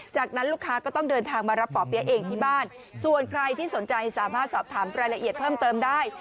จากนั้นลูกค้าก็ต้องเดินทางมารับป่อเปี๊ยะเองที่บ้านส่วนใครที่สนใจสามารถสอบถามรายละเอียดเพิ่มเติมได้